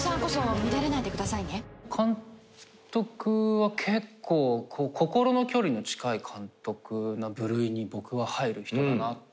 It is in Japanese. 監督は結構心の距離の近い監督な部類に僕は入る人だなって。